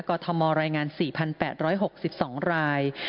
กฎธมรรยายงาน๔๘๖๒ราย